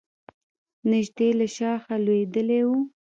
نژدې له شاخه لوېدلی و.